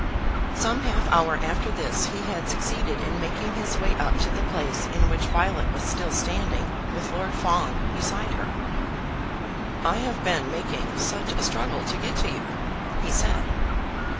Some half hour after this he had succeeded in making his way up to the place in which Violet was still standing, with Lord Fawn beside her. "I have been making such a struggle to get to you," he said.